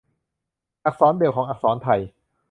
อักษรเบรลล์ของอักษรไทย